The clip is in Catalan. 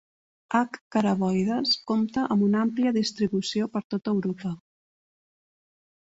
"H. caraboides" compta amb una àmplia distribució per tot Europa.